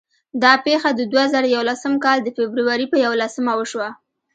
دا پېښه د دوه زره یولسم کال د فبرورۍ په یوولسمه وشوه.